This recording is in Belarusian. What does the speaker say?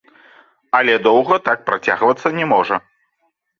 Але доўга так працягвацца не можа.